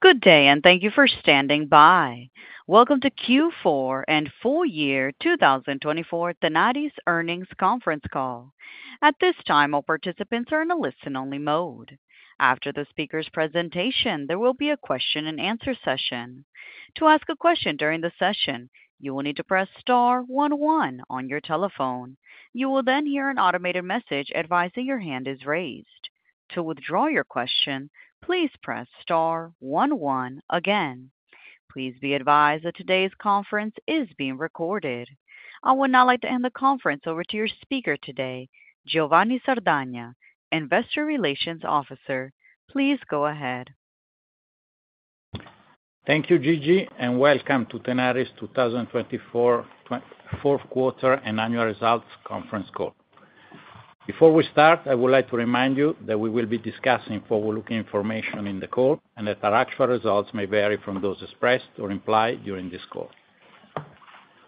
Good day, and thank you for standing by. Welcome to Q4 and full year 2024 Tenaris Earnings Conference Call. At this time, all participants are in a listen-only mode. After the speaker's presentation, there will be a question-and-answer session. To ask a question during the session, you will need to press star one one on your telephone. You will then hear an automated message advising your hand is raised. To withdraw your question, please press star one one again. Please be advised that today's conference is being recorded. I would now like to hand the conference over to your speaker today, Giovanni Sardagna, Investor Relations Officer. Please go ahead. Thank you, Gigi, and welcome to Tenaris 2024 Q4 and Annual Results Conference Call. Before we start, I would like to remind you that we will be discussing forward-looking information in the call and that our actual results may vary from those expressed or implied during this call.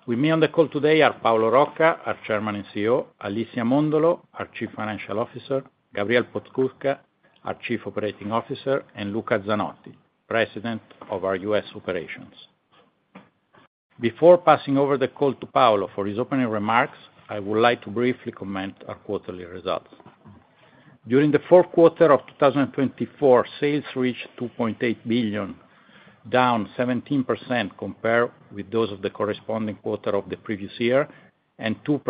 With me on the call today are Paolo Rocca, our Chairman and CEO, Alicia Mondolo, our Chief Financial Officer, Gabriel Podskubka, our Chief Operating Officer, and Luca Zanotti, President of our US Operations. Before passing over the call to Paolo for his opening remarks, I would like to briefly comment on our quarterly results. During the Q4 of 2024, sales reached $2.8 billion, down 17% compared with those of the corresponding quarter of the previous year, and 2%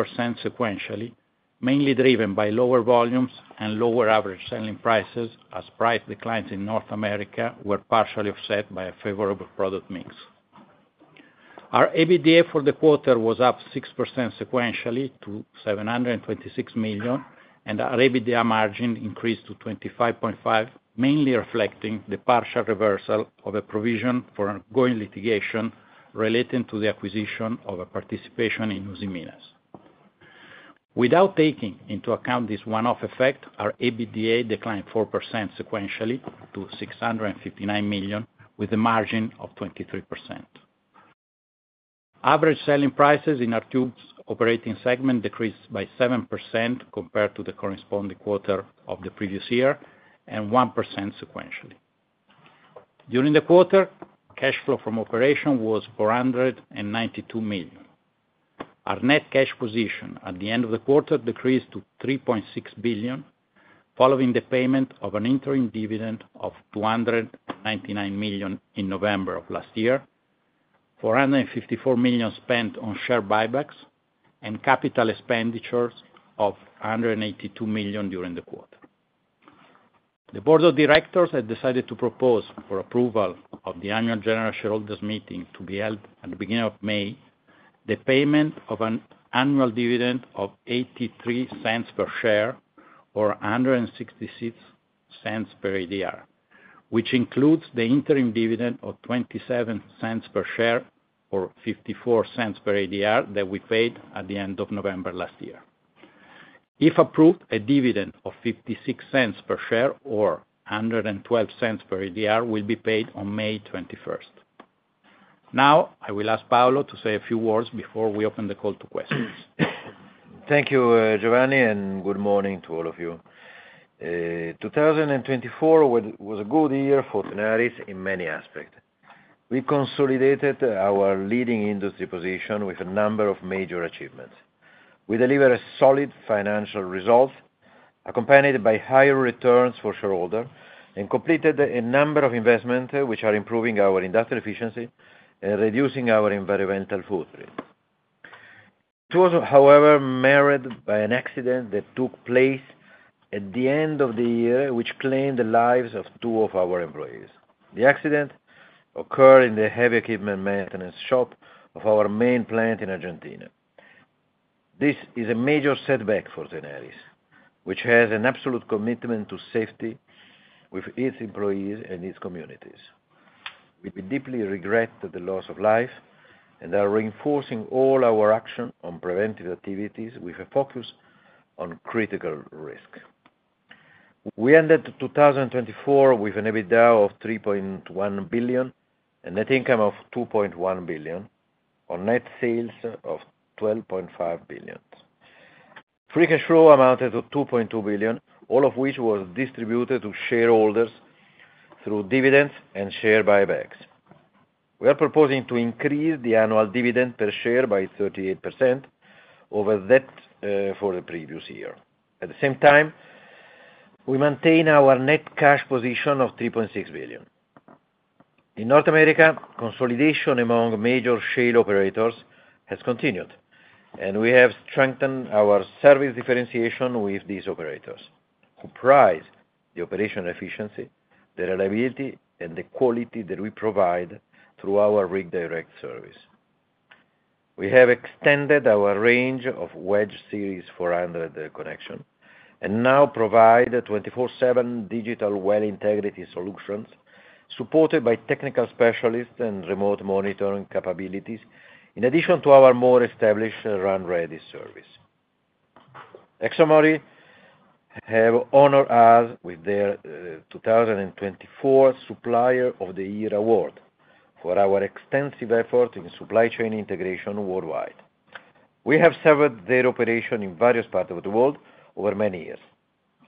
sequentially, mainly driven by lower volumes and lower average selling prices as price declines in North America were partially offset by a favorable product mix. Our EBITDA for the quarter was up 6% sequentially to $726 million, and our EBITDA margin increased to 25.5%, mainly reflecting the partial reversal of a provision for ongoing litigation relating to the acquisition of a participation in Usiminas. Without taking into account this one-off effect, our EBITDA declined 4% sequentially to $659 million, with a margin of 23%. Average selling prices in our two operating segments decreased by 7% compared to the corresponding quarter of the previous year and 1% sequentially. During the quarter, cash flow from operations was $492 million. Our net cash position at the end of the quarter decreased to $3.6 billion, following the payment of an interim dividend of $299 million in November of last year, $454 million spent on share buybacks, and capital expenditures of $182 million during the quarter. The board of directors has decided to propose for approval of the annual general shareholders' meeting to be held at the beginning of May, the payment of an annual dividend of $0.83 per share or $1.66 per ADR, which includes the interim dividend of $0.27 per share or $0.54 per ADR that we paid at the end of November last year. If approved, a dividend of $0.56 per share or $1.12 per ADR will be paid on May 21st. Now, I will ask Paolo to say a few words before we open the call to questions. Thank you, Giovanni, and good morning to all of you. 2024 was a good year for Tenaris in many aspects. We consolidated our leading industry position with a number of major achievements. We delivered solid financial results, accompanied by higher returns for shareholders, and completed a number of investments which are improving our industrial efficiency and reducing our environmental footprint. It was, however, marred by an accident that took place at the end of the year, which claimed the lives of two of our employees. The accident occurred in the heavy equipment maintenance shop of our main plant in Argentina. This is a major setback for Tenaris, which has an absolute commitment to safety with its employees and its communities. We deeply regret the loss of life, and are reinforcing all our actions on preventive activities with a focus on critical risk. We ended 2024 with an EBITDA of $3.1 billion and net income of $2.1 billion, or net sales of $12.5 billion. Free cash flow amounted to $2.2 billion, all of which was distributed to shareholders through dividends and share buybacks. We are proposing to increase the annual dividend per share by 38% over that for the previous year. At the same time, we maintain our net cash position of $3.6 billion. In North America, consolidation among major shale operators has continued, and we have strengthened our service differentiation with these operators, who prize the operational efficiency, the reliability, and the quality that we provide through our Rig Direct service. We have extended our range of Wedge Series 400 connections and now provide 24/7 digital well integrity solutions supported by technical specialists and remote monitoring capabilities, in addition to our more established RunReady service. ExxonMobil has honored us with their 2024 Supplier of the Year award for our extensive efforts in supply chain integration worldwide. We have served their operations in various parts of the world over many years,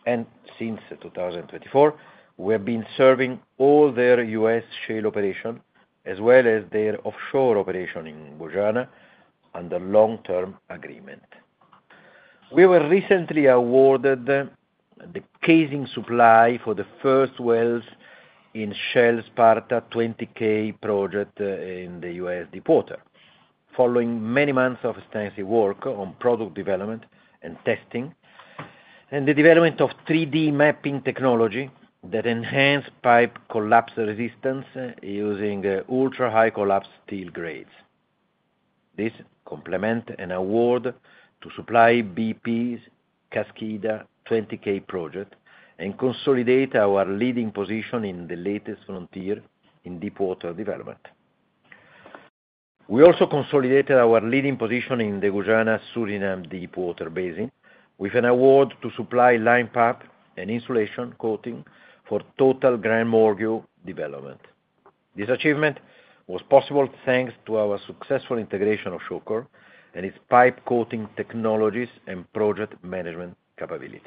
and since 2024, we have been serving all their US shale operations, as well as their offshore operations in Guyana, under long-term agreement. We were recently awarded the casing supply for the first wells in Shell Sparta 20K project in the US deepwater, following many months of extensive work on product development and testing, and the development of 3D mapping technology that enhances pipe collapse resistance using ultra-high collapse steel grades. This complements an award to supply BP's Kaskida 20K project and consolidates our leading position in the latest frontier in deepwater development. We also consolidated our leading position in the Guyana Suriname deep water basin with an award to supply line pipe and insulation coating for Total GranMorgu development. This achievement was possible thanks to our successful integration of Shawcor and its pipe coating technologies and project management capabilities.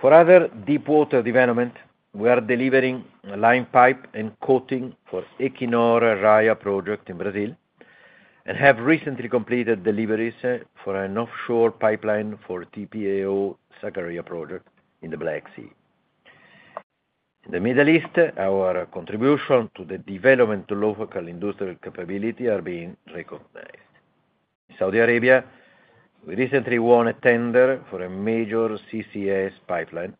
For other deep water development, we are delivering line pipe and coating for Equinor Raia project in Brazil and have recently completed deliveries for an offshore pipeline for TPAO Sakarya project in the Black Sea. In the Middle East, our contributions to the development of local industrial capability are being recognized. In Saudi Arabia, we recently won a tender for a major CCS pipeline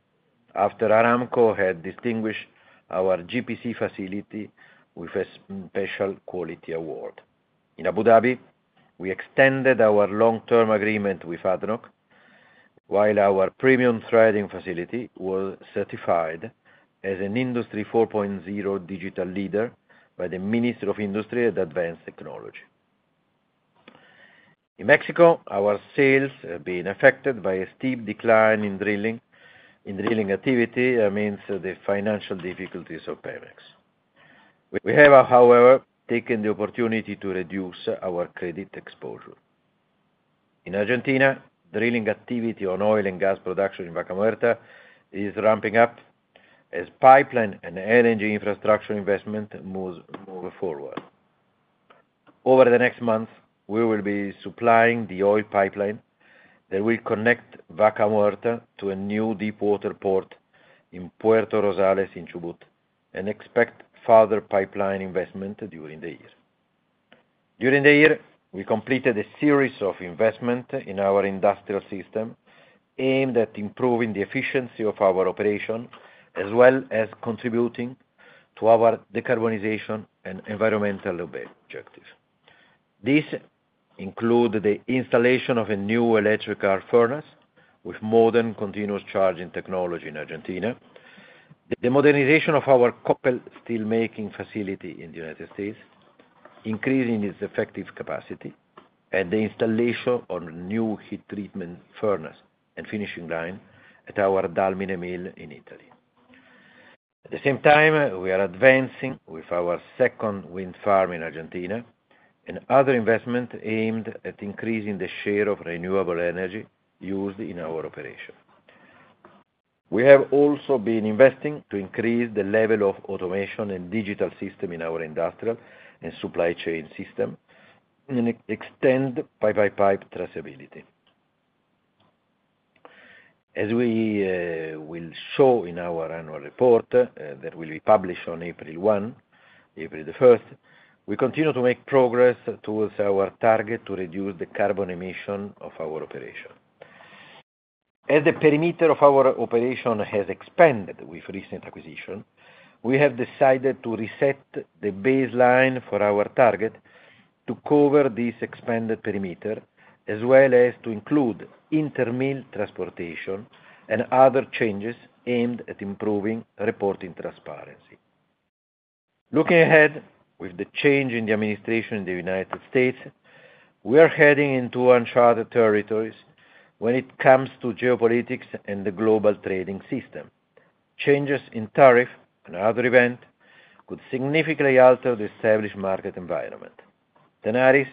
after Aramco had distinguished our GPC facility with a special quality award. In Abu Dhabi, we extended our long-term agreement with ADNOC, while our premium threading facility was certified as an Industry 4.0 digital leader by the Minister of Industry and Advanced Technology. In Mexico, our sales have been affected by a steep decline in drilling activity, amidst the financial difficulties of Pemex. We have, however, taken the opportunity to reduce our credit exposure. In Argentina, drilling activity on oil and gas production in Vaca Muerta is ramping up as pipeline and energy infrastructure investments move forward. Over the next month, we will be supplying the oil pipeline that will connect Vaca Muerta to a new deep water port in Puerto Rosales in Chubut and expect further pipeline investment during the year. During the year, we completed a series of investments in our industrial system aimed at improving the efficiency of our operation, as well as contributing to our decarbonization and environmental objectives. These include the installation of a new electric arc furnace with modern continuous charging technology in Argentina, the modernization of our Koppel steel making facility in the United States, increasing its effective capacity, and the installation of a new heat treatment furnace and finishing line at our Dalmine mill in Italy. At the same time, we are advancing with our second wind farm in Argentina and other investments aimed at increasing the share of renewable energy used in our operation. We have also been investing to increase the level of automation and digital systems in our industrial and supply chain system and extend pipe-by-pipe traceability. As we will show in our annual report that will be published on April 1, April 1st, we continue to make progress towards our target to reduce the carbon emissions of our operation. As the perimeter of our operation has expanded with recent acquisitions, we have decided to reset the baseline for our target to cover this expanded perimeter, as well as to include intermill transportation and other changes aimed at improving reporting transparency. Looking ahead with the change in the administration in the United States, we are heading into uncharted territories when it comes to geopolitics and the global trading system. Changes in tariffs and other events could significantly alter the established market environment. Tenaris,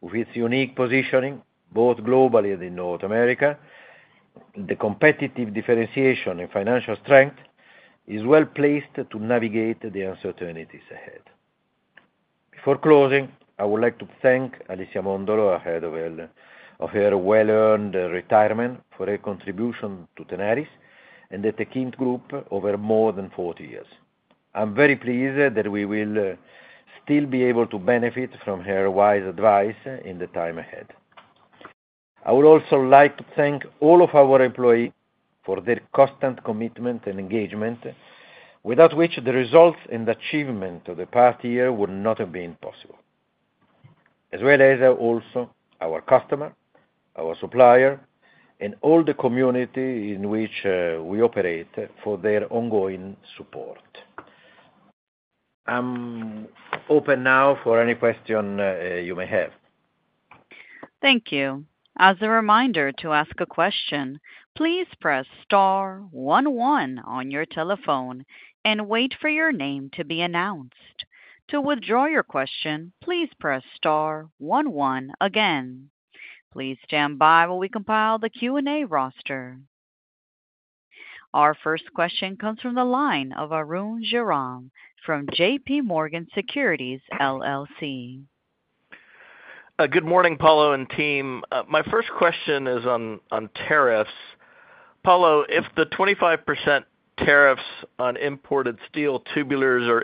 with its unique positioning both globally and in North America, the competitive differentiation and financial strength is well placed to navigate the uncertainties ahead. Before closing, I would like to thank Alicia Mondolo ahead of her well-earned retirement for her contribution to Tenaris and the Techint Group over more than 40 years. I'm very pleased that we will still be able to benefit from her wise advice in the time ahead. I would also like to thank all of our employees for their constant commitment and engagement, without which the results and achievements of the past year would not have been possible, as well as also our customers, our suppliers, and all the communities in which we operate for their ongoing support. I'm open now for any questions you may have. Thank you. As a reminder to ask a question, please press star one one on your telephone and wait for your name to be announced. To withdraw your question, please press star one one again. Please stand by while we compile the Q&A roster. Our first question comes from the line of Arun Jayaram from JPMorgan Securities LLC. Good morning, Paolo and team. My first question is on tariffs. Paolo, if the 25% tariffs on imported steel tubulars are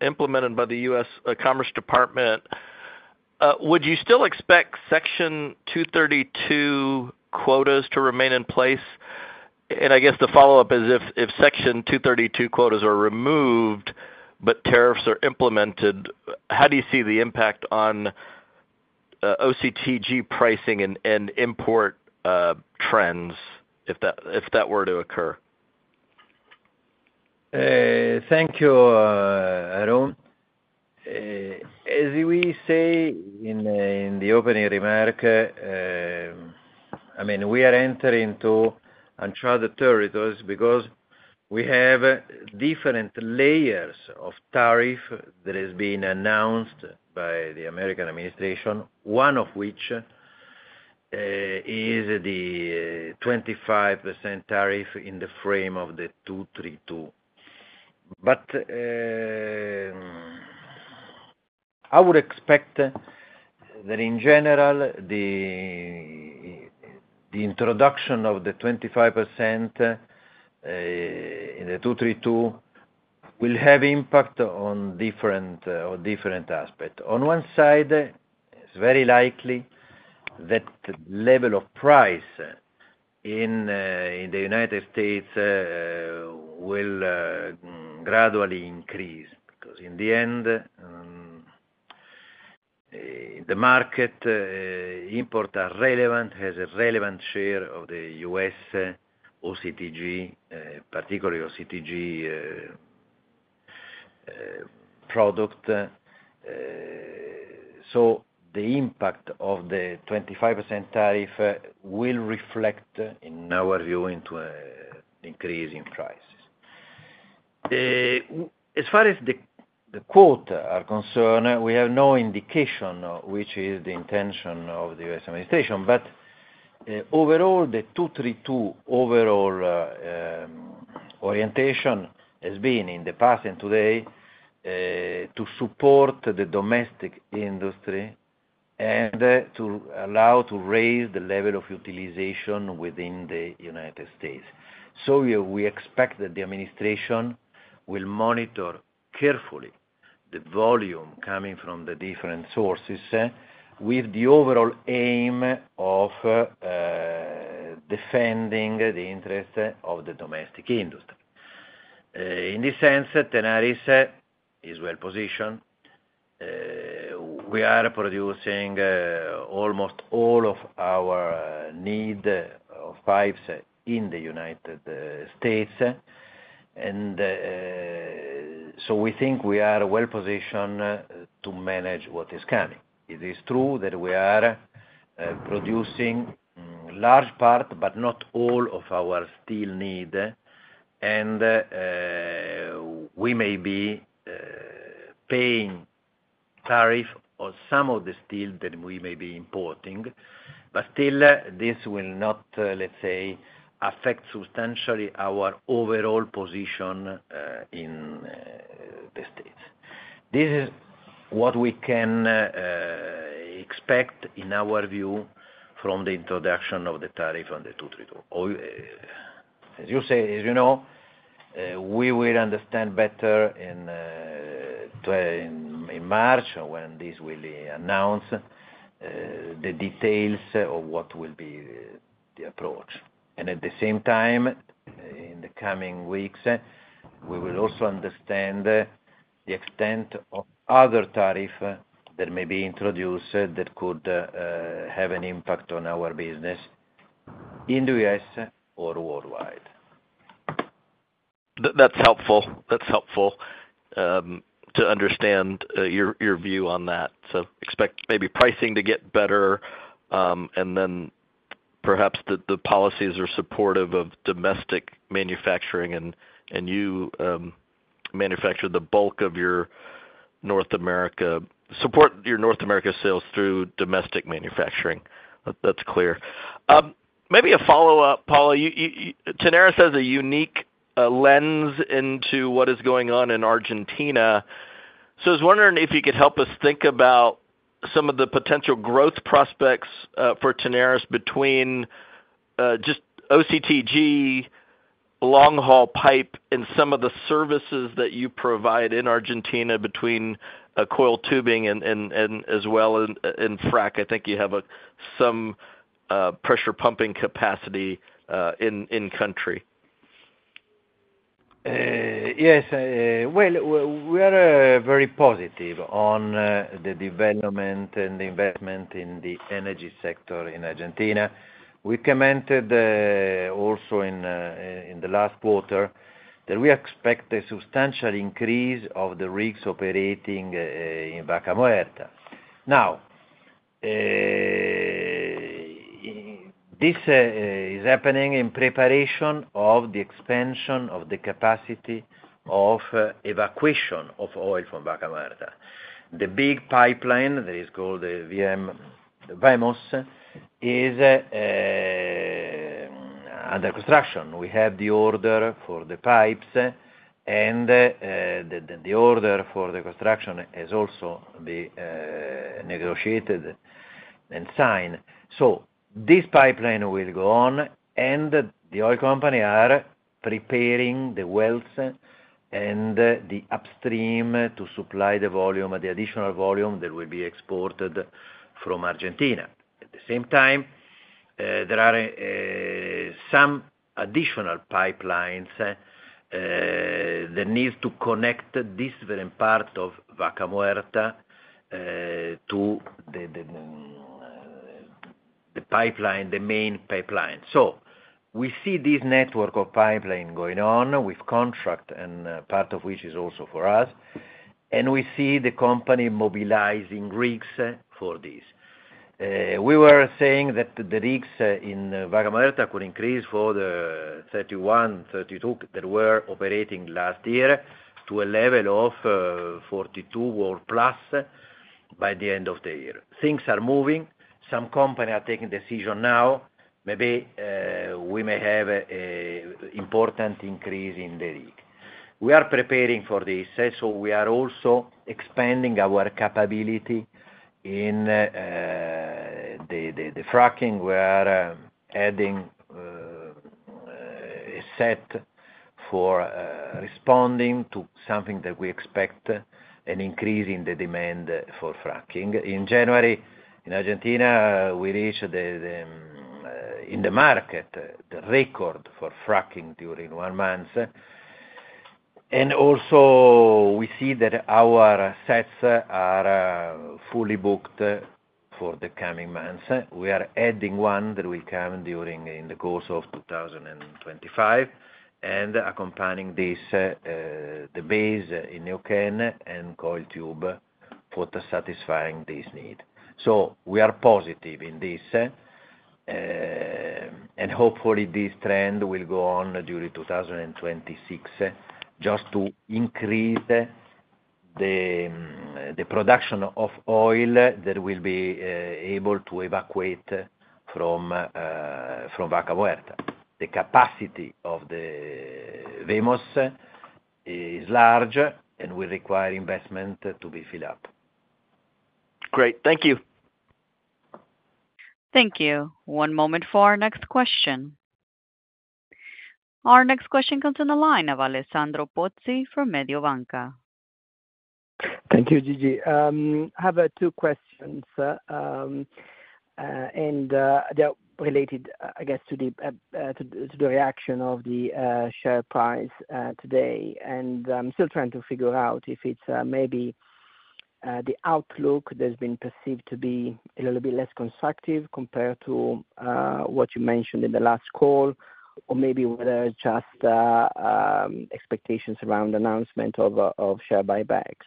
implemented by the US Commerce Department, would you still expect Section 232 quotas to remain in place? And I guess the follow-up is, if Section 232 quotas are removed but tariffs are implemented, how do you see the impact on OCTG pricing and import trends if that were to occur? Thank you, Arun. As we say in the opening remark, I mean, we are entering into uncharted territories because we have different layers of tariffs that have been announced by the American administration, one of which is the 25% tariff in the frame of the 232. But I would expect that, in general, the introduction of the 25% in the 232 will have an impact on different aspects. On one side, it's very likely that the level of price in the United States will gradually increase because, in the end, the market, import and relevance, has a relevant share of the US OCTG, particularly OCTG product. So the impact of the 25% tariff will reflect, in our view, into an increase in prices. As far as the quotas are concerned, we have no indication which is the intention of the US administration. But overall, the 232 overall orientation has been in the past and today to support the domestic industry and to allow to raise the level of utilization within the United States. So we expect that the administration will monitor carefully the volume coming from the different sources with the overall aim of defending the interests of the domestic industry. In this sense, Tenaris is well positioned. We are producing almost all of our need of pipes in the United States, and so we think we are well positioned to manage what is coming. It is true that we are producing a large part, but not all, of our steel need, and we may be paying tariff on some of the steel that we may be importing. But still, this will not, let's say, affect substantially our overall position in the States. This is what we can expect, in our view, from the introduction of the tariff on the 232. As you know, we will understand better in March when this will be announced, the details of what will be the approach, and at the same time, in the coming weeks, we will also understand the extent of other tariffs that may be introduced that could have an impact on our business in the US or worldwide. That's helpful. That's helpful to understand your view on that. So expect maybe pricing to get better and then perhaps that the policies are supportive of domestic manufacturing and you manufacture the bulk of your North America support your North America sales through domestic manufacturing. That's clear. Maybe a follow-up, Paolo. Tenaris has a unique lens into what is going on in Argentina. So I was wondering if you could help us think about some of the potential growth prospects for Tenaris between just OCTG, long-haul pipe, and some of the services that you provide in Argentina between coil tubing as well as in frac. I think you have some pressure pumping capacity in-country. Yes. Well, we are very positive on the development and the investment in the energy sector in Argentina. We commented also in the last quarter that we expect a substantial increase of the rigs operating in Vaca Muerta. Now, this is happening in preparation of the expansion of the capacity of evacuation of oil from Vaca Muerta. The big pipeline that is called VMOS is under construction. We have the order for the pipes, and the order for the construction has also been negotiated and signed. So this pipeline will go on, and the oil company is preparing the wells and the upstream to supply the volume, the additional volume that will be exported from Argentina. At the same time, there are some additional pipelines that need to connect different parts of Vaca Muerta to the main pipeline. So we see this network of pipelines going on with contract, and part of which is also for us, and we see the company mobilizing rigs for this. We were saying that the rigs in Vaca Muerta could increase for the 31-32 that were operating last year to a level of 42 or plus by the end of the year. Things are moving. Some companies are taking decisions now. Maybe we may have an important increase in the rig. We are preparing for this, so we are also expanding our capability in the fracking. We are adding a set for responding to something that we expect an increase in the demand for fracking. In January, in Argentina, we reached in the market the record for fracking during one month. And also, we see that our sets are fully booked for the coming months. We are adding one that will come during the course of 2025 and accompanying this, the base in Neuquén and coil tubing for satisfying this need. So we are positive in this, and hopefully, this trend will go on during 2026 just to increase the production of oil that will be able to evacuate from Vaca Muerta. The capacity of the VMOS is large, and we require investment to be filled up. Great. Thank you. Thank you. One moment for our next question. Our next question comes in the line of Alessandro Pozzi from Mediobanca. Thank you, Gigi. I have two questions, and they are related, I guess, to the reaction of the share price today, and I'm still trying to figure out if it's maybe the outlook that's been perceived to be a little bit less constructive compared to what you mentioned in the last call, or maybe whether it's just expectations around the announcement of share buybacks.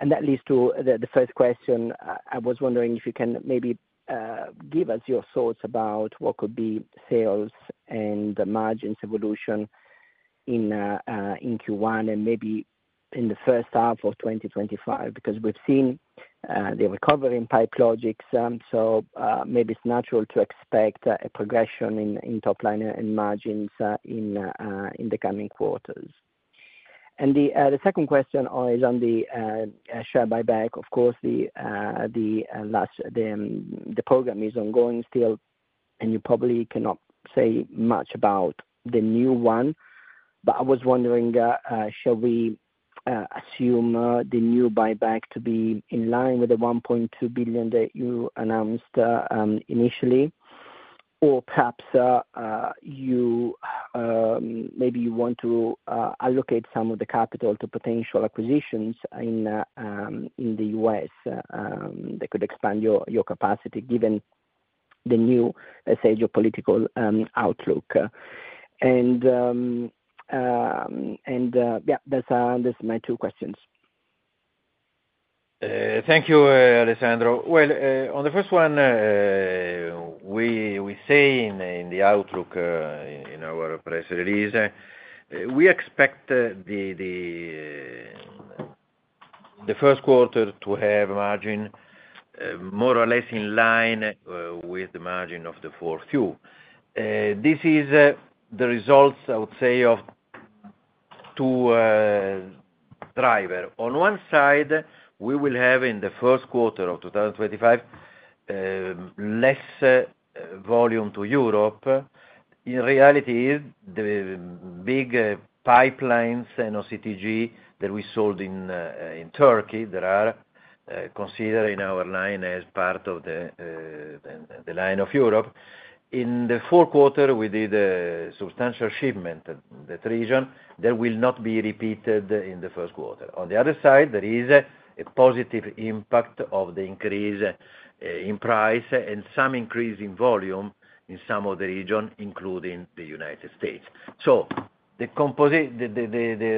And that leads to the first question. I was wondering if you can maybe give us your thoughts about what could be sales and margins evolution in Q1 and maybe in the H1 of 2025 because we've seen the recovery in Pipe Logix. So maybe it's natural to expect a progression in top line and margins in the coming quarters, and the second question is on the share buyback. Of course, the program is ongoing still, and you probably cannot say much about the new one. But I was wondering, shall we assume the new buyback to be in line with the $1.2 billion that you announced initially, or perhaps maybe you want to allocate some of the capital to potential acquisitions in the US that could expand your capacity given the new, let's say, geopolitical outlook? And yeah, those are my two questions. Thank you, Alessandro. On the first one, we say in the outlook in our press release, we expect the Q1 to have a margin more or less in line with the margin of the Q4. This is the result, I would say, of two drivers. On one side, we will have in the Q1 of 2025 less volume to Europe. In reality, the big pipelines and OCTG that we sold in Turkey that are considered in our lines as part of the lines of Europe, in the Q4, we did a substantial shipment to that region that will not be repeated in the Q1. On the other side, there is a positive impact of the increase in price and some increase in volume in some of the regions, including the United States. The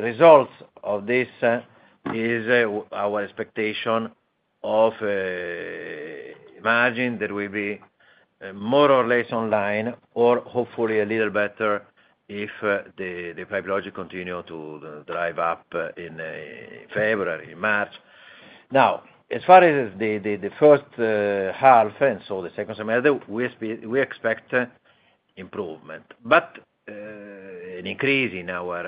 results of this is our expectation of margin that will be more or less on line or hopefully a little better if the Pipe Logix continue to drive up in February, March. Now, as far as the H1 and so the second semester, we expect improvement, but an increase in our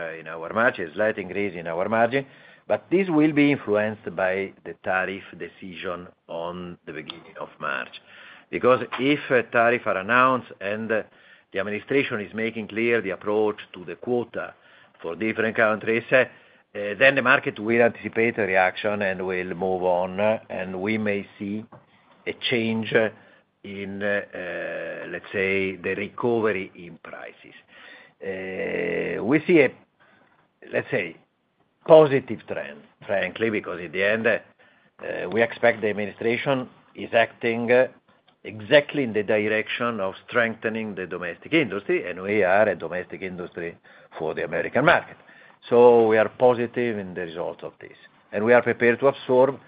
margin, a slight increase in our margin. But this will be influenced by the tariff decision on the beginning of March because if tariffs are announced and the administration is making clear the approach to the quota for different countries, then the market will anticipate a reaction and will move on, and we may see a change in, let's say, the recovery in prices. We see, let's say, positive trend, frankly, because in the end, we expect the administration is acting exactly in the direction of strengthening the domestic industry, and we are a domestic industry for the American market. So we are positive in the results of this, and we are prepared to absorb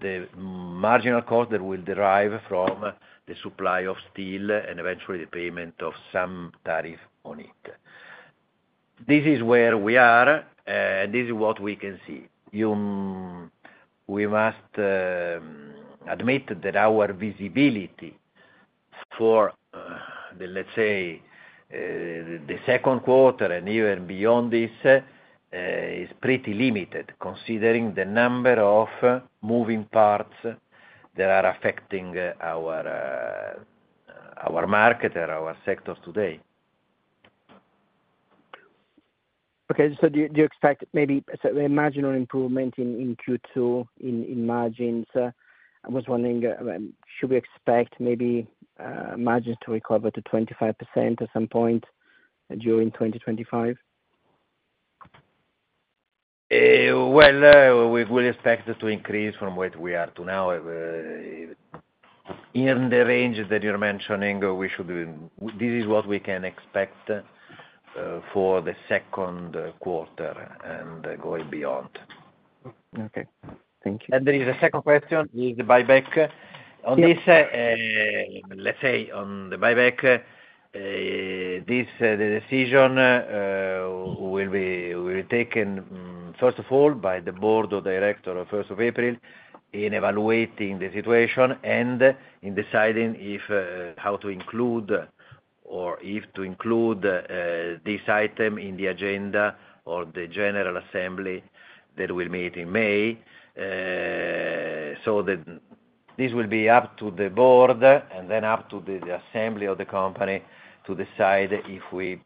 the marginal cost that will derive from the supply of steel and eventually the payment of some tariff on it. This is where we are, and this is what we can see. We must admit that our visibility for, let's say, the Q2 and even beyond this is pretty limited considering the number of moving parts that are affecting our market and our sectors today. Okay. So do you expect maybe a marginal improvement in Q2 in margins? I was wondering, should we expect maybe margins to recover to 25% at some point during 2025? We will expect it to increase from where we are to now. In the range that you're mentioning, this is what we can expect for the Q2 and going beyond. Okay. Thank you. And there is a second question, the buyback. On this, let's say, on the buyback, this decision will be taken, first of all, by the board of directors on the 1st of April in evaluating the situation and in deciding how to include or if to include this item in the agenda of the general assembly that will meet in May. So this will be up to the board and then up to the assembly of the company to decide if we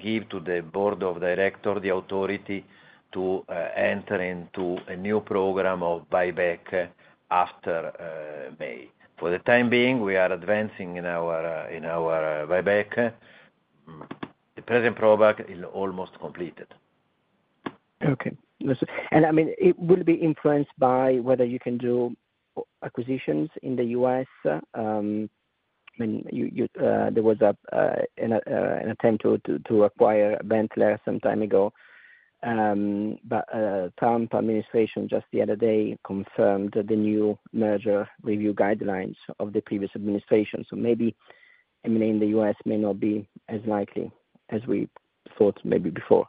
give to the board of directors the authority to enter into a new program of buyback after May. For the time being, we are advancing in our buyback. The present program is almost completed. Okay. And I mean, it will be influenced by whether you can do acquisitions in the US. I mean, there was an attempt to acquire Benteler some time ago, but the Trump administration just the other day confirmed the new merger review guidelines of the previous administration. So maybe in the US, it may not be as likely as we thought maybe before.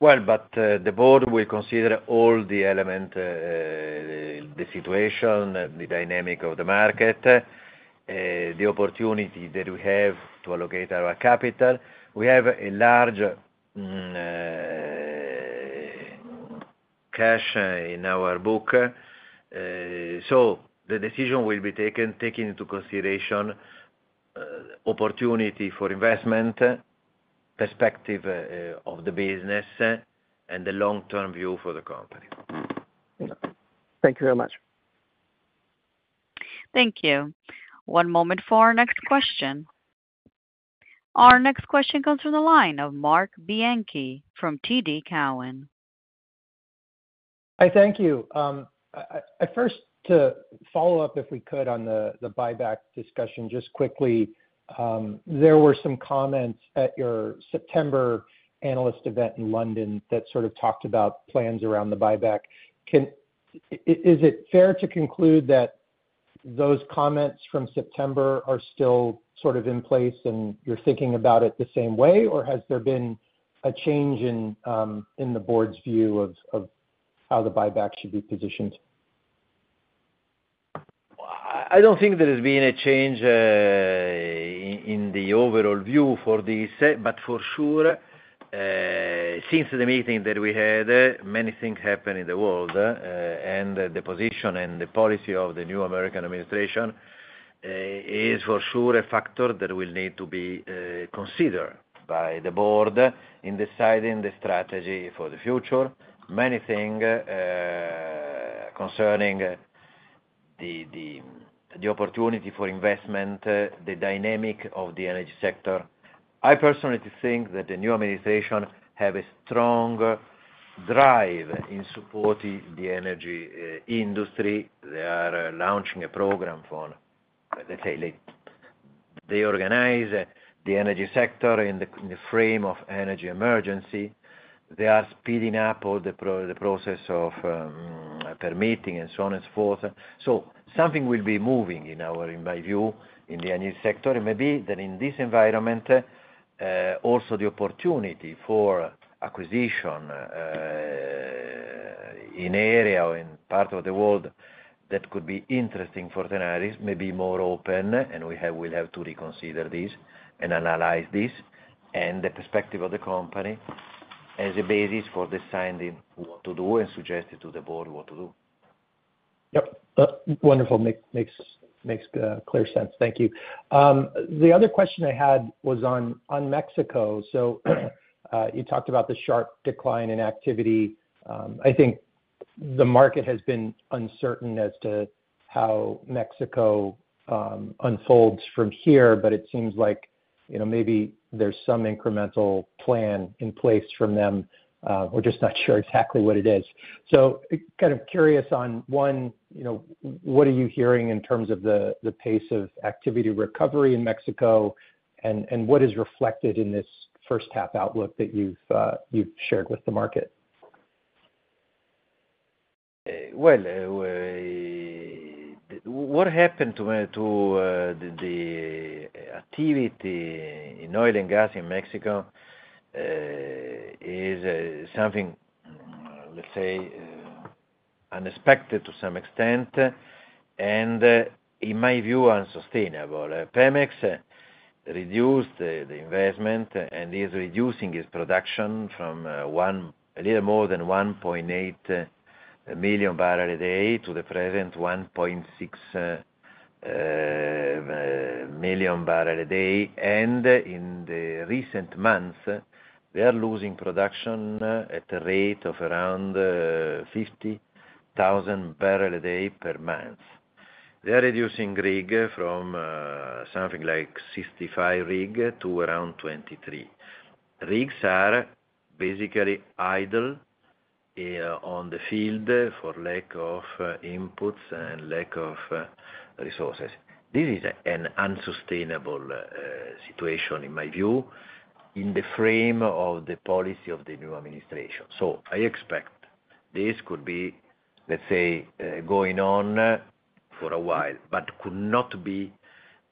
But the board will consider all the elements, the situation, the dynamic of the market, the opportunity that we have to allocate our capital. We have a large cash in our book. So the decision will be taken taking into consideration opportunity for investment, perspective of the business, and the long-term view for the company. Thank you very much. Thank you. One moment for our next question. Our next question comes from the line of Marc Bianchi from TD Cowen. Hi, thank you. First, to follow up if we could on the buyback discussion, just quickly, there were some comments at your September analyst event in London that sort of talked about plans around the buyback. Is it fair to conclude that those comments from September are still sort of in place and you're thinking about it the same way, or has there been a change in the board's view of how the buyback should be positioned? I don't think there has been a change in the overall view for this, but for sure, since the meeting that we had, many things happened in the world, and the position and the policy of the new American administration is for sure a factor that will need to be considered by the board in deciding the strategy for the future, many things concerning the opportunity for investment, the dynamic of the energy sector. I personally think that the new administration has a strong drive in supporting the energy industry. They are launching a program for, let's say, they organize the energy sector in the frame of energy emergency. They are speeding up all the process of permitting and so on and so forth, so something will be moving in my view in the energy sector. Maybe that in this environment, also the opportunity for acquisition in area or in part of the world that could be interesting for Tenaris may be more open, and we will have to reconsider this and analyze this and the perspective of the company as a basis for deciding what to do and suggesting to the board what to do. Yep. Wonderful. Makes clear sense. Thank you. The other question I had was on Mexico. So you talked about the sharp decline in activity. I think the market has been uncertain as to how Mexico unfolds from here, but it seems like maybe there's some incremental plan in place from them. We're just not sure exactly what it is. So kind of curious on one, what are you hearing in terms of the pace of activity recovery in Mexico, and what is reflected in this H1 outlook that you've shared with the market? What happened to the activity in oil and gas in Mexico is something, let's say, unexpected to some extent and, in my view, unsustainable. Pemex reduced the investment and is reducing its production from a little more than 1.8 million barrels a day to the present 1.6 million barrels a day. In the recent months, they are losing production at a rate of around 50,000 barrels a day per month. They are reducing rigs from something like 65 rigs to around 23. Rigs are basically idle on the field for lack of inputs and lack of resources. This is an unsustainable situation in my view in the frame of the policy of the new administration. I expect this could be, let's say, going on for a while, but could not be,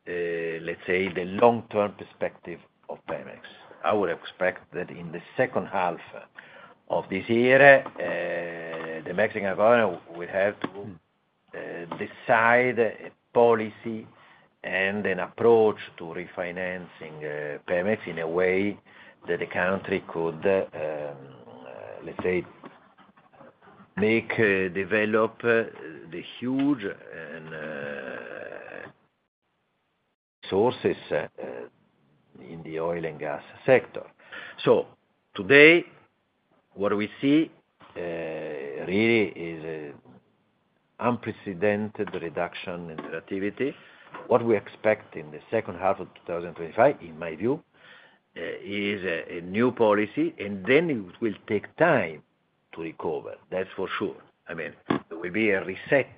let's say, the long-term perspective of Pemex. I would expect that in the H2 of this year, the Mexican government will have to decide a policy and an approach to refinancing Pemex in a way that the country could, let's say, make develop the huge resources in the oil and gas sector. So today, what we see really is an unprecedented reduction in their activity. What we expect in the H2 of 2025, in my view, is a new policy, and then it will take time to recover. That's for sure. I mean, there will be a reset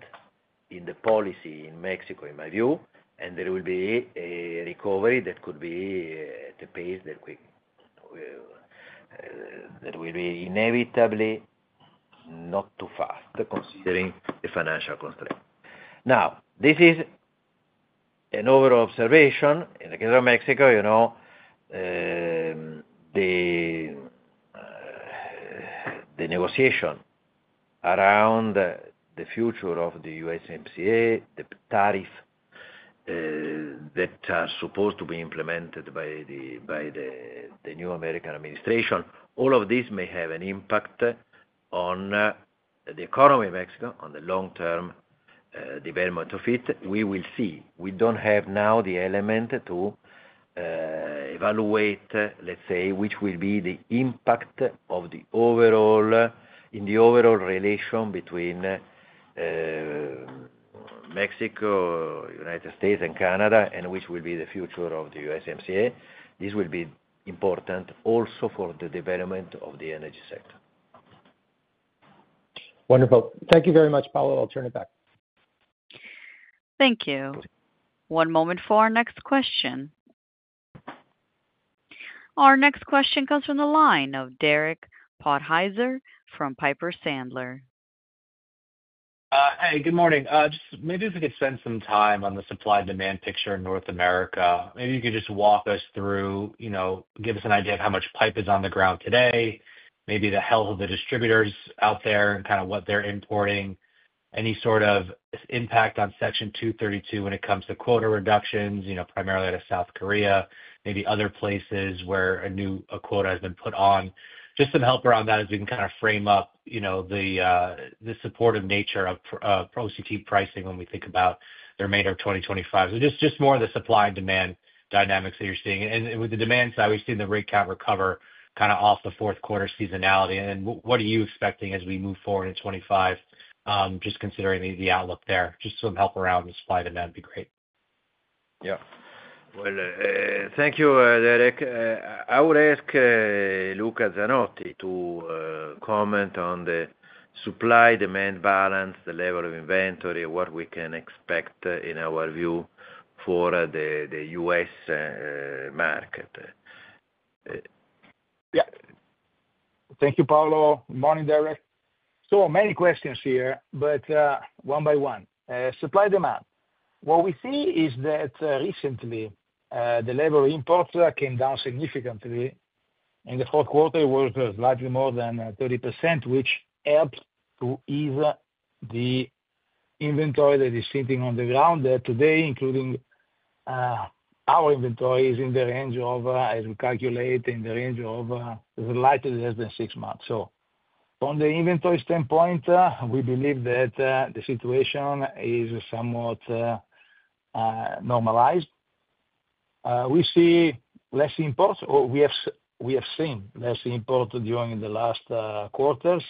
in the policy in Mexico, in my view, and there will be a recovery that could be at a pace that will be inevitably not too fast considering the financial constraints. Now, this is an overall observation. In the case of Mexico, the negotiation around the future of the USMCA, the tariff that is supposed to be implemented by the new American administration, all of this may have an impact on the economy of Mexico on the long-term development of it. We will see. We don't have now the element to evaluate, let's say, which will be the impact in the overall relation between Mexico, United States, and Canada, and which will be the future of the USMCA. This will be important also for the development of the energy sector. Wonderful. Thank you very much, Paolo. I'll turn it back. Thank you. One moment for our next question. Our next question comes from the line of Derek Podhaizer from Piper Sandler. Hey, good morning. Just maybe if we could spend some time on the supply-demand picture in North America. Maybe you could just walk us through, give us an idea of how much pipe is on the ground today, maybe the health of the distributors out there and kind of what they're importing, any sort of impact on Section 232 when it comes to quota reductions, primarily out of South Korea, maybe other places where a new quota has been put on. Just some help around that as we can kind of frame up the supportive nature of OCTG pricing when we think about the remainder of 2025. So just more of the supply-demand dynamics that you're seeing. With the demand side, we've seen the rig count recover kind of off the Q4 seasonality. What are you expecting as we move forward in 2025, just considering the outlook there? Just some help around the supply-demand would be great. Yeah. Well, thank you, Derek. I would ask Luca Zanotti to comment on the supply-demand balance, the level of inventory, what we can expect in our view for the USmarket. Yeah. Thank you, Paolo. Good morning, Derek. So many questions here, but one by one. Supply-demand. What we see is that recently, the level of imports came down significantly. In the Q4, it was slightly more than 30%, which helped to ease the inventory that is sitting on the ground today, including our inventory is in the range of, as we calculate, in the range of slightly less than six months. So from the inventory standpoint, we believe that the situation is somewhat normalized. We see less imports, or we have seen less imports during the last quarters.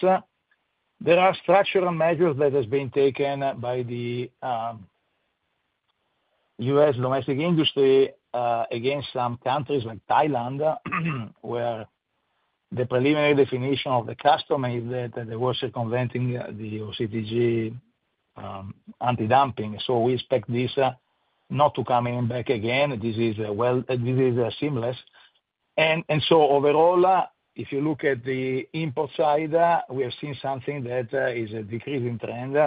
There are structural measures that have been taken by the US domestic industry against some countries like Thailand, where the preliminary determination of Commerce is that they were circumventing the OCTG anti-dumping. So we expect this not to come back again. This is seamless. And so overall, if you look at the import side, we have seen something that is a decreasing trend.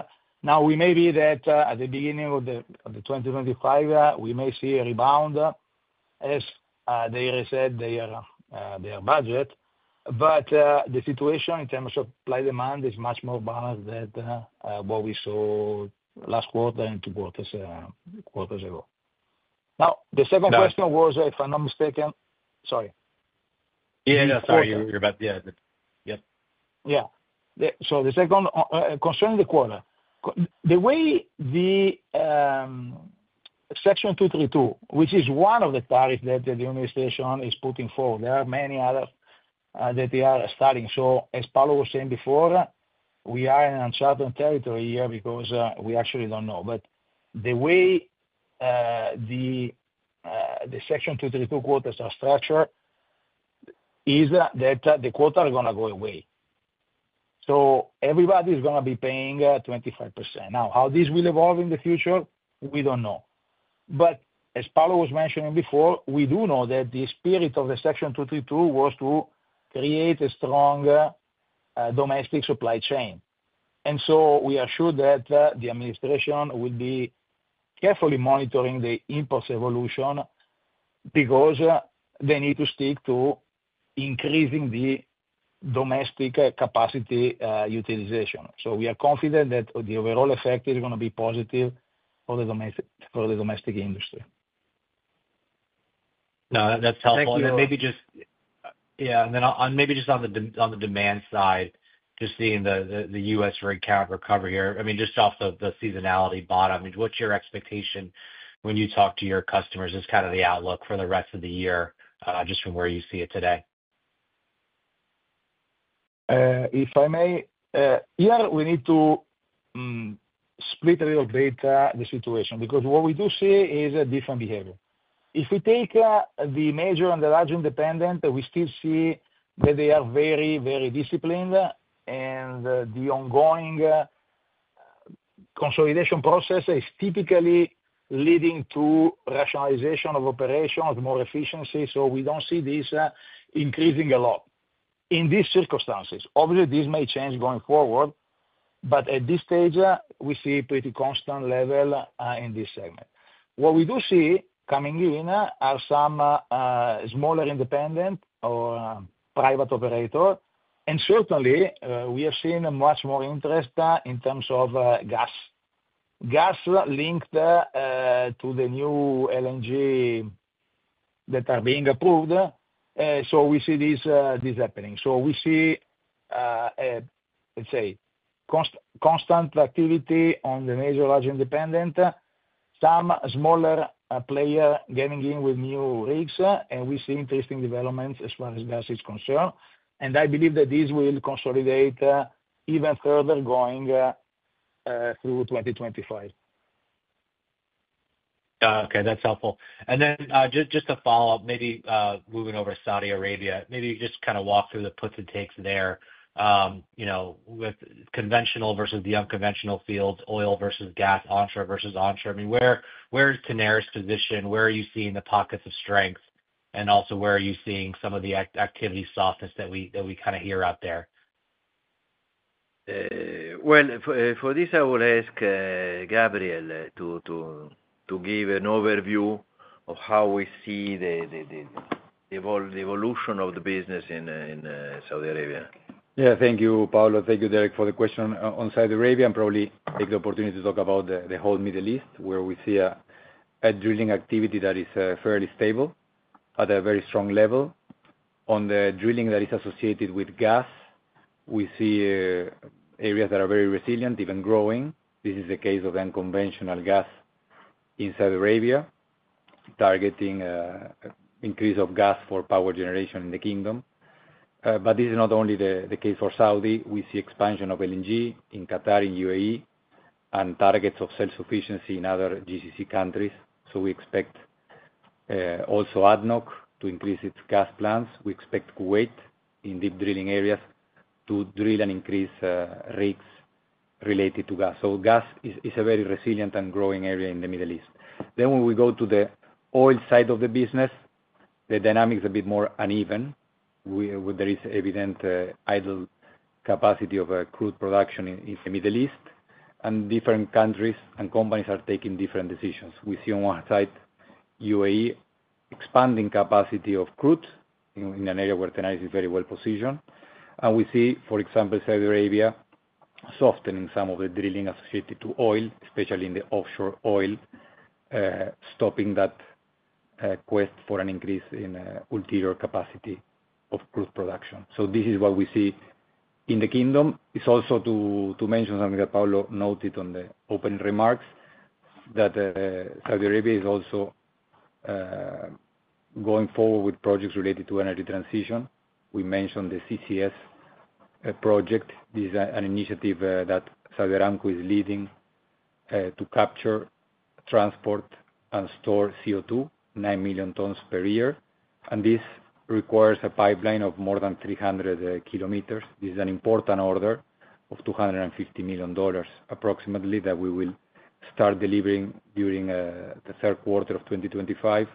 Now, we may be that at the beginning of 2025, we may see a rebound as they reset their budget, but the situation in terms of supply-demand is much more balanced than what we saw last quarter and two quarters ago. Now, the second question was, if I'm not mistaken, sorry. Yeah, sorry. You're about to, yeah. Yep. Yeah. So the second concerning the quota, the way the Section 232, which is one of the tariffs that the administration is putting forward, there are many others that they are studying. So as Paolo was saying before, we are in uncertain territory here because we actually don't know. But the way the Section 232 quotas are structured is that the quotas are going to go away. So everybody is going to be paying 25%. Now, how this will evolve in the future, we don't know. But as Paolo was mentioning before, we do know that the spirit of the Section 232 was to create a strong domestic supply chain. And so we are sure that the administration will be carefully monitoring the imports' evolution because they need to stick to increasing the domestic capacity utilization. We are confident that the overall effect is going to be positive for the domestic industry. No, that's helpful. Thank you. And then maybe just on the demand side, just seeing the US rig count recovery here. I mean, just off the seasonality bottom, what's your expectation when you talk to your customers? Just kind of the outlook for the rest of the year, just from where you see it today. If I may, yeah, we need to split a little bit the situation because what we do see is a different behavior. If we take the majors and the large independents, we still see that they are very, very disciplined, and the ongoing consolidation process is typically leading to rationalization of operations, more efficiency, so we don't see this increasing a lot in these circumstances. Obviously, this may change going forward, but at this stage, we see a pretty constant level in this segment. What we do see coming in are some smaller independents or private operators, and certainly, we have seen much more interest in terms of gas, gas linked to the new LNG that are being approved, so we see this happening. So we see, let's say, constant activity on the major large independent, some smaller player getting in with new rigs, and we see interesting developments as far as gas is concerned, and I believe that this will consolidate even further going through 2025. Okay. That's helpful. And then just to follow up, maybe moving over to Saudi Arabia, maybe just kind of walk through the puts and takes there with conventional versus the unconventional fields, oil versus gas, onshore versus onshore. I mean, where is Tenaris's position? Where are you seeing the pockets of strength? And also, where are you seeing some of the activity softness that we kind of hear out there? For this, I would ask Gabriel to give an overview of how we see the evolution of the business in Saudi Arabia. Yeah. Thank you, Paolo. Thank you, Derek, for the question on Saudi Arabia. And probably take the opportunity to talk about the whole Middle East, where we see a drilling activity that is fairly stable at a very strong level. On the drilling that is associated with gas, we see areas that are very resilient, even growing. This is the case of unconventional gas in Saudi Arabia, targeting increase of gas for power generation in the kingdom. But this is not only the case for Saudi. We see expansion of LNG in Qatar and UAE and targets of self-sufficiency in other GCC countries. So we expect also ADNOC to increase its gas plants. We expect Kuwait in deep drilling areas to drill and increase rigs related to gas. So gas is a very resilient and growing area in the Middle East. Then when we go to the oil side of the business, the dynamic is a bit more uneven. There is evident idle capacity of crude production in the Middle East, and different countries and companies are taking different decisions. We see on one side UAE expanding capacity of crude in an area where Tenaris is very well positioned. And we see, for example, Saudi Arabia softening some of the drilling associated to oil, especially in the offshore oil, stopping that quest for an increase in ulterior capacity of crude production. So this is what we see in the kingdom. It's also to mention something that Paolo noted on the opening remarks, that Saudi Arabia is also going forward with projects related to energy transition. We mentioned the CCS project. This is an initiative that Saudi Aramco is leading to capture, transport, and store CO2, 9 million tons per year. And this requires a pipeline of more than 300 km. This is an important order of $250 million, approximately, that we will start delivering during the Q3 of 2025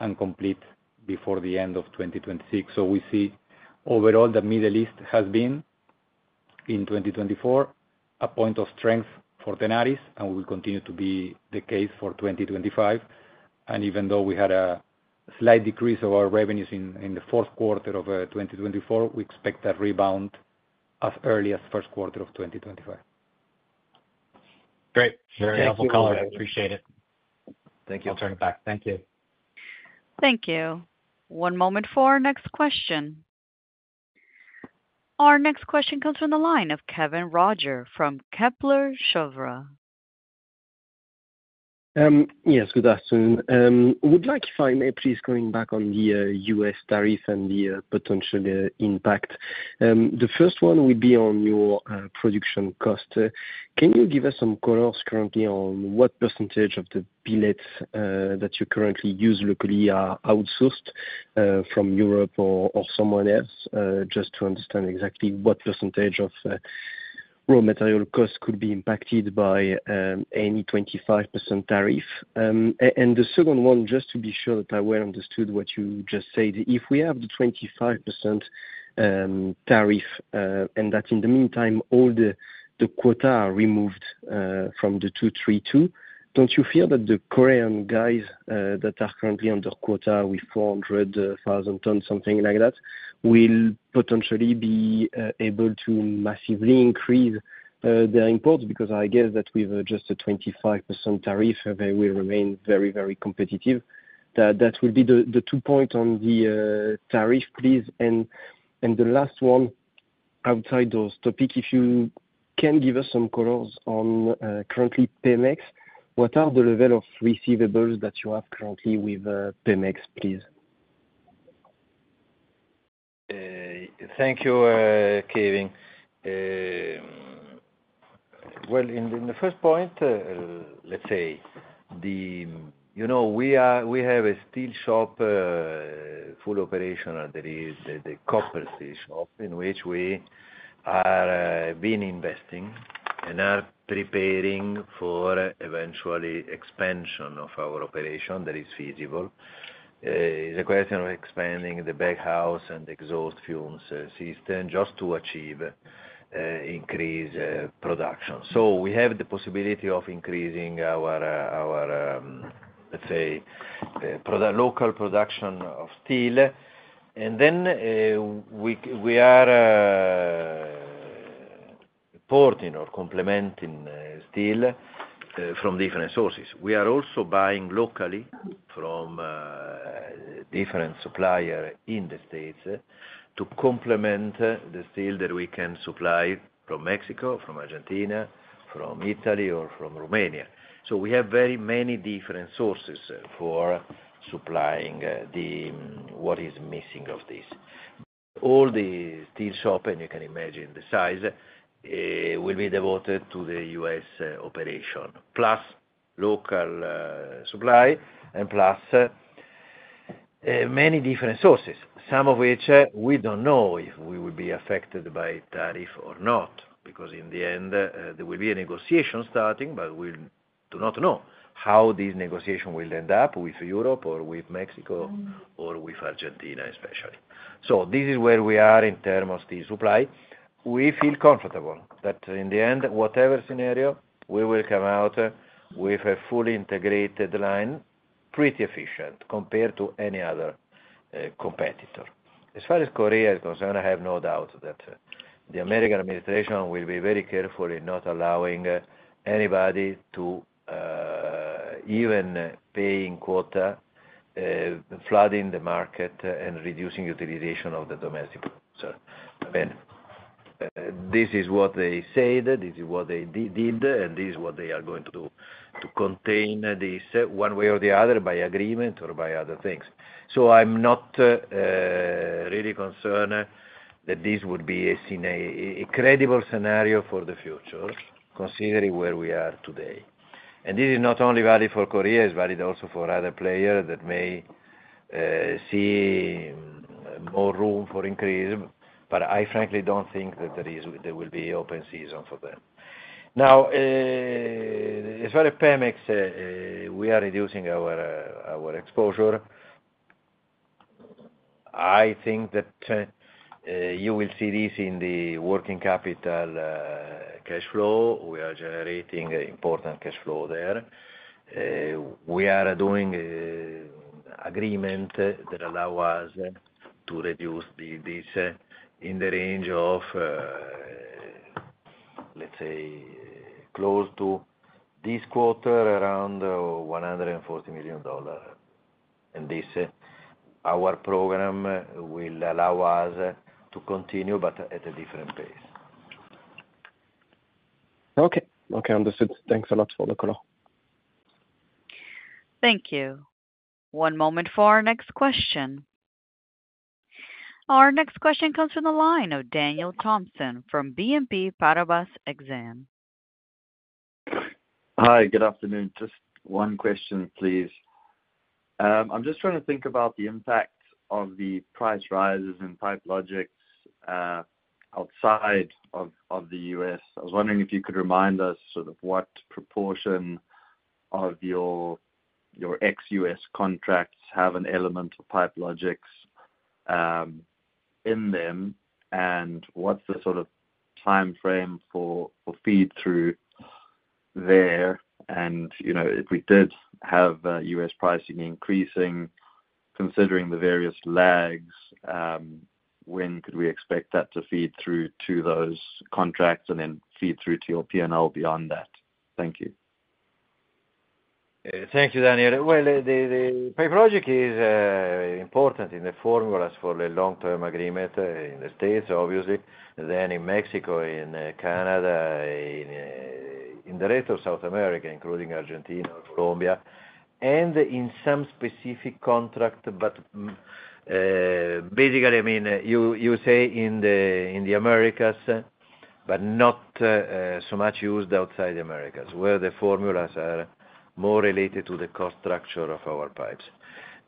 and complete before the end of 2026. So we see overall that the Middle East has been, in 2024, a point of strength for Tenaris, and will continue to be the case for 2025. And even though we had a slight decrease of our revenues in the Q4 of 2024, we expect a rebound as early as the Q1 of 2025. Great. Very helpful, Paolo. I appreciate it. Thank you. I'll turn it back. Thank you. Thank you. One moment for our next question. Our next question comes from the line of Kévin Roger from Kepler Cheuvreux. Yes, good afternoon. Would you like, if I may, please going back on the US tariff and the potential impact? The first one would be on your production cost. Can you give us some color currently on what percentage of the pellets that you currently use locally are outsourced from Europe or somewhere else? Just to understand exactly what percentage of raw material costs could be impacted by any 25% tariff, and the second one, just to be sure that I well understood what you just said, if we have the 25% tariff and that in the meantime, all the quotas are removed from the 232, don't you fear that the Korean guys that are currently under quota with 400,000 tons, something like that, will potentially be able to massively increase their imports? Because I guess that with just a 25% tariff, they will remain very, very competitive. That will be the two points on the tariff, please, and the last one, outside those topics, if you can give us some colors on currently Pemex, what are the level of receivables that you have currently with Pemex, please? Thank you, Kévin. In the first point, let's say we have a steel shop full operation that is the Koppel steel shop, in which we are being invested and are preparing for eventually expansion of our operation that is feasible. It's a question of expanding the baghouse and exhaust fumes system just to achieve increased production. So we have the possibility of increasing our, let's say, local production of steel. And then we are importing or complementing steel from different sources. We are also buying locally from different suppliers in the States to complement the steel that we can supply from Mexico, from Argentina, from Italy, or from Romania. So we have very many different sources for supplying what is missing of this. All the steel shop, and you can imagine the size, will be devoted to the US operation, plus local supply, and plus many different sources, some of which we don't know if we will be affected by tariff or not, because in the end, there will be a negotiation starting, but we do not know how this negotiation will end up with Europe or with Mexico or with Argentina, especially. So this is where we are in terms of steel supply. We feel comfortable that in the end, whatever scenario, we will come out with a fully integrated line, pretty efficient compared to any other competitor. As far as Korea is concerned, I have no doubt that the American administration will be very careful in not allowing anybody to even play in quota, flooding the market, and reducing utilization of the domestic producer. I mean, this is what they said, this is what they did, and this is what they are going to do to contain this one way or the other by agreement or by other things. So I'm not really concerned that this would be a credible scenario for the future, considering where we are today. And this is not only valid for Korea, it's valid also for other players that may see more room for increase, but I frankly don't think that there will be open season for them. Now, as far as Pemex, we are reducing our exposure. I think that you will see this in the working capital cash flow. We are generating important cash flow there. We are doing agreements that allow us to reduce this in the range of, let's say, close to this quarter, around $140 million. Our program will allow us to continue, but at a different pace. Okay. Okay. Understood. Thanks a lot for the color. Thank you. One moment for our next question. Our next question comes from the line of Daniel Thomson from BNP Paribas Exane. Hi. Good afternoon. Just one question, please. I'm just trying to think about the impact of the price rises in Pipe Logix outside of the US. I was wondering if you could remind us sort of what proportion of your ex-US contracts have an element of Pipe Logix in them, and what's the sort of timeframe for feed-through there. And if we did have US pricing increasing, considering the various lags, when could we expect that to feed through to those contracts and then feed through to your P&L beyond that? Thank you. Thank you, Daniel. Well, the Pipe Logix is important in the formulas for the long-term agreement in the States, obviously, then in Mexico, in Canada, in the rest of South America, including Argentina or Colombia, and in some specific contract. But basically, I mean, you say in the Americas, but not so much used outside the Americas, where the formulas are more related to the cost structure of our pipes.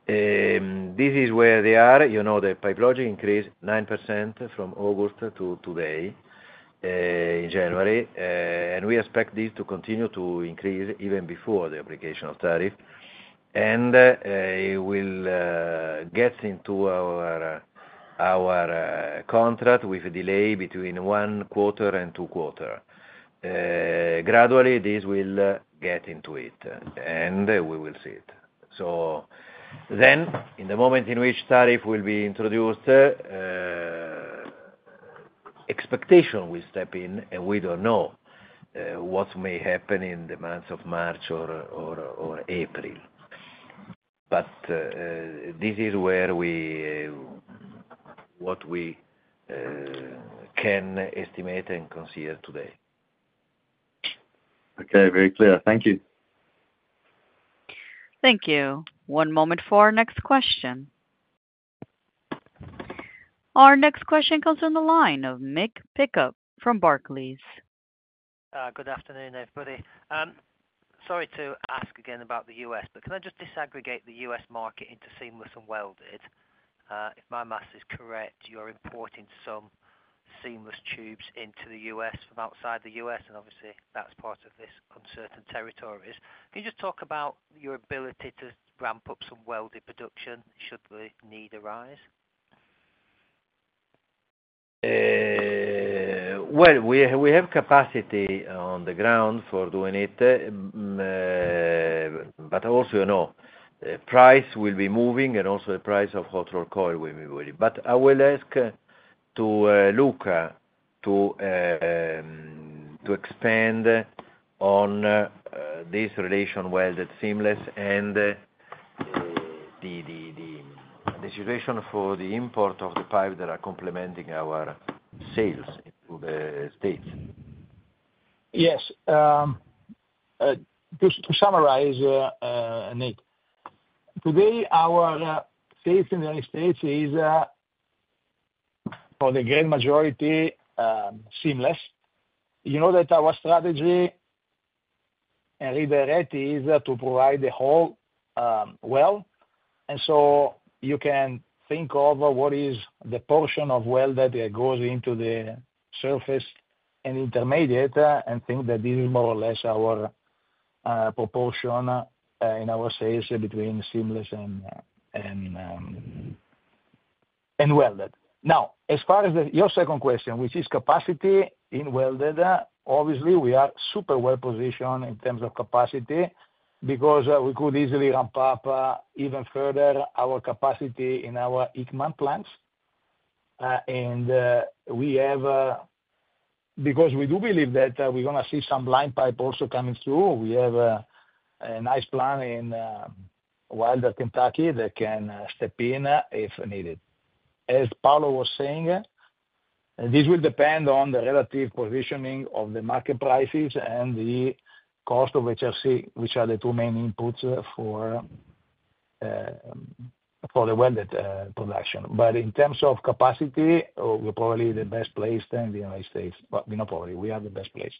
This is where they are. The Pipe Logix increased 9% from August to today in January, and we expect this to continue to increase even before the application of tariff, and it will get into our contract with a delay between one quarter and two quarters. Gradually, this will get into it, and we will see it. So then, in the moment in which tariff will be introduced, expectation will step in, and we don't know what may happen in the months of March or April. But this is what we can estimate and consider today. Okay. Very clear. Thank you. Thank you. One moment for our next question. Our next question comes from the line of Mick Pickup from Barclays. Good afternoon, everybody. Sorry to ask again about the US, but can I just disaggregate the US market into seamless and welded? If my math is correct, you're importing some seamless tubes into the US from outside the US, and obviously, that's part of this uncertain territories. Can you just talk about your ability to ramp up some welded production should the need arise? We have capacity on the ground for doing it, but also, price will be moving, and also the price of hot-rolled coil will be moving. But I will ask to look to expand on this relation welded-seamless and the situation for the import of the pipe that are complementing our sales to the States. Yes. To summarize, Mick, today, our sales in the United States is, for the great majority, seamless. You know that our strategy and Rig Direct is to provide the whole well, and so you can think of what is the portion of weld that goes into the surface and intermediate and think that this is more or less our proportion in our sales between seamless and welded. Now, as far as your second question, which is capacity in welded, obviously, we are super well positioned in terms of capacity because we could easily ramp up even further our capacity in our Hickman plants, and because we do believe that we're going to see some line pipe also coming through, we have a nice plant in Wilder, Kentucky, that can step in if needed. As Paolo was saying, this will depend on the relative positioning of the market prices and the cost of HRC, which are the two main inputs for the welded production. But in terms of capacity, we're probably the best placed in the United States. But we're not probably. We are the best place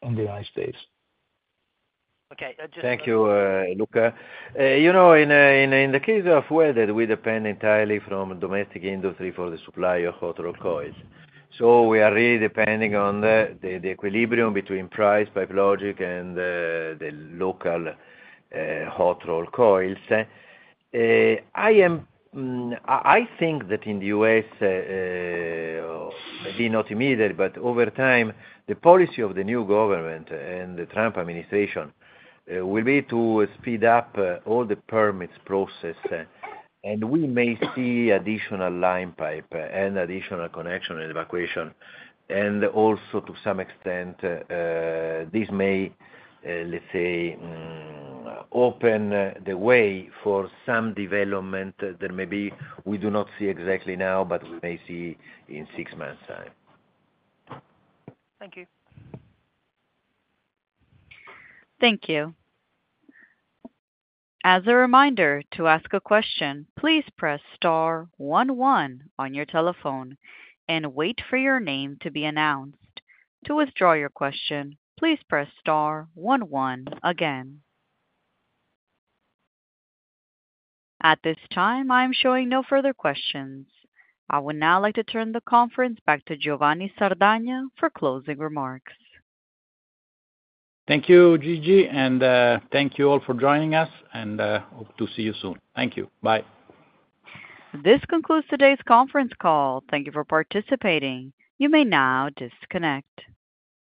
in the United States. Okay. Thank you, Luca. In the case of welded, we depend entirely from domestic industry for the supply of hot-rolled coils. So we are really depending on the equilibrium between price, Pipe Logix, and the local hot-rolled coils. I think that in the US, maybe not immediately, but over time, the policy of the new government and the Trump administration will be to speed up all the permits process. And we may see additional line pipe and additional connection and evacuation. And also, to some extent, this may, let's say, open the way for some development that maybe we do not see exactly now, but we may see in six months' time. Thank you. Thank you. As a reminder, to ask a question, please press star 11 on your telephone and wait for your name to be announced. To withdraw your question, please press star 11 again. At this time, I am showing no further questions. I would now like to turn the conference back to Giovanni Sardagna for closing remarks. Thank you, Gigi, and thank you all for joining us, and hope to see you soon. Thank you. Bye. This concludes today's conference call. Thank you for participating. You may now disconnect.